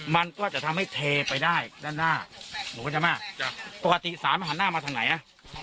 มันก็จะทำให้เทไปได้ด้านหน้าหนูเข้าใจไหมปกติศาลมันหันหน้ามาทางไหนอ่ะ